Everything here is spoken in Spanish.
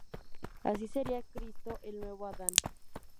Así sería Cristo el "nuevo Adán".